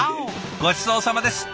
ごちそうさまです。